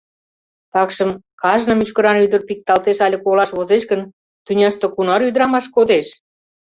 Такшым... кажне мӱшкыран ӱдыр пикталтеш але колаш возеш гын, тӱняште кунар ӱдырамаш кодеш?